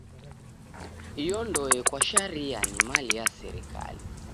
Iyo ndoe kwa sharia ni mali ya serikali.